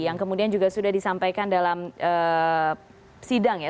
yang kemudian juga sudah disampaikan dalam sidang ya